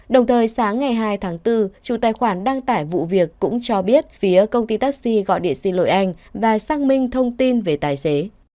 đồng thời sáng ngày hai tháng bốn chủ tài khoản đăng tải vụ việc cũng cho biết phía công ty taxi gọi điện xin lỗi anh và xác minh thông tin về tài xế